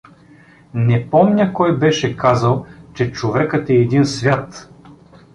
Не помня кой беше казал, че човекът е един свят.